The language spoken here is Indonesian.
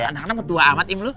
anak anak betul amat im lu